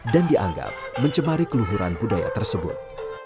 dianggap mencemari keluhuran budaya tersebut